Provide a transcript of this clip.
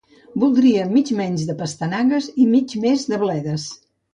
Voldria mig menys de pastanagues i mig més de bledes.